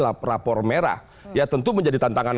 lapor merah ya tentu menjadi tantangan